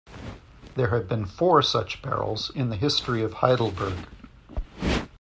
There have been four such barrels in the history of Heidelberg.